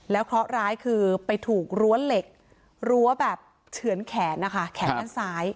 เคราะห์ร้ายคือไปถูกรั้วเหล็กรั้วแบบเฉือนแขนนะคะแขนด้านซ้าย